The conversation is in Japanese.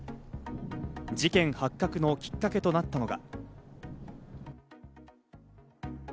事件発覚のきっかけとなったのが。